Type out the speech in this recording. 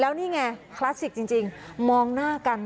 นี่ไงคลาสสิกจริงมองหน้ากัน